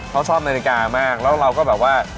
เขาชอบนาฬิกามากแล้วเราก็แบบว่า